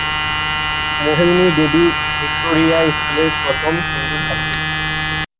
মোহিনী Devi Victoria স্কুলের প্রথম হিন্দু ছাত্রী।